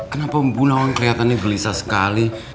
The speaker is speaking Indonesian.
kenapa bunawang keliatannya gelisah sekali